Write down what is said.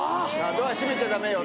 ドア閉めちゃダメよ。